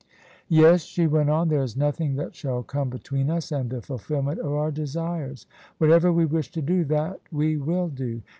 " Yes," she went on, " there is nothing that shall come between us and the fulfilment of our desires. Whatever we wish to do, that we will do.